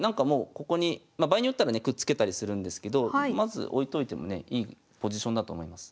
ここにまあ場合によったらねくっつけたりするんですけどまず置いといてもねいいポジションだと思います。